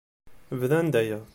Bdan-d aya.